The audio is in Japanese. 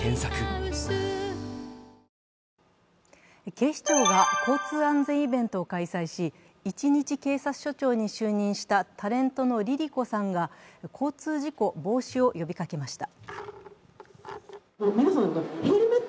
警視庁が交通安全イベントを開催し、一日警察署長に就任したタレントのＬｉＬｉＣｏさんが、交通事故防止を呼びかけました。